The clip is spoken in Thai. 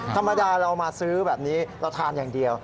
ธรรมดาเรามาซื้อแบบนี้เราทานอย่างเดียว